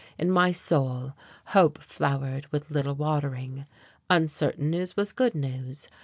In my soul hope flowered with little watering. Uncertain news was good news.